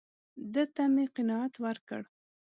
ده ته مې قناعت ورکړ.